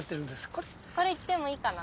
これ行ってもいいかな？